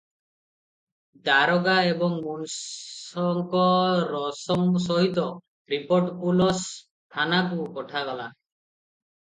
ଦାରୋଗା ଏବଂ ମୁନ୍ସଙ୍କ ରୋସମ୍ ସହିତ ରିପୋର୍ଟ ପୁଲସ୍ ଥାନାକୁ ପଠାଗଲା ।